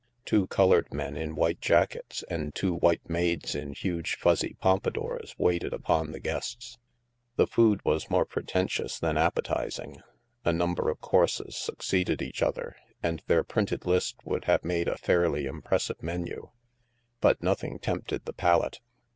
Two colored men in white jackets and two white maids in huge fuzzy pompadours waited upon the guests. The food was more pretentious than appetizing; a number of courses succeeded each other, and their printed list would have made a fairly impressive menu. But nothing tempted the palate.